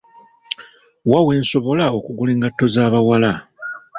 Wa wensobola okugula engato z'abawala?